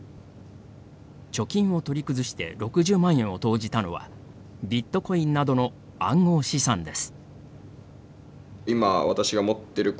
貯金を取り崩して６０万円を投じたのはビットコインなどの暗号資産です。